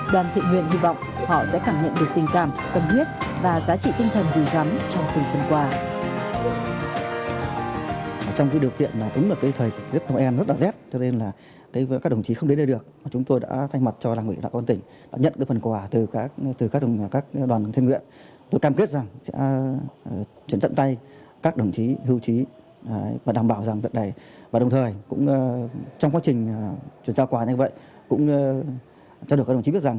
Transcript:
đoàn thiện nguyện hy vọng họ sẽ cảm nhận được tình cảm cân huyết và giá trị tinh thần gửi gắm trong từng phần quà